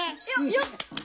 よっ！